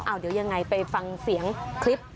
เดี๋ยวยังไงไปฟังเสียงคลิป